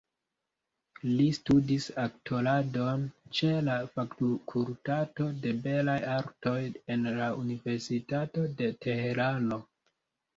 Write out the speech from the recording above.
Li studis aktoradon ĉe la fakultato de belaj artoj en la Universitato de Teherano.